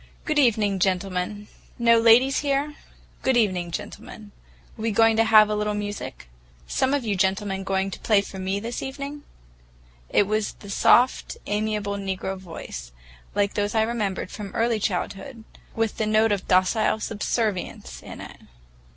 "Good evening, gentlemen. No ladies here? Good evening, gentlemen. We going to have a little music? Some of you gentlemen going to play for me this evening?" It was the soft, amiable negro voice, like those I remembered from early childhood, with the note of docile subservience in it.